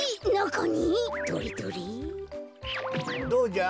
どうじゃ？